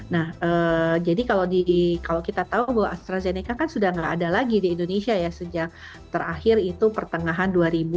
nah jadi kalau kita tahu bahwa astrazeneca kan sudah tidak ada lagi di indonesia ya sejak terakhir itu pertengahan dua ribu dua puluh